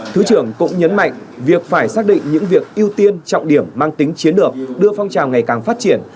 thứ trưởng cũng nhấn mạnh việc phải xác định những việc ưu tiên trọng điểm mang tính chiến lược đưa phong trào ngày càng phát triển